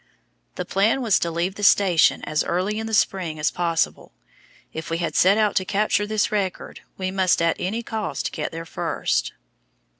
The plan was to leave the station as early in the spring as possible. If we had set out to capture this record, we must at any cost get there first.